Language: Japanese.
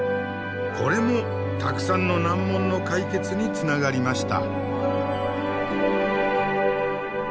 これもたくさんの難問の解決につながりました。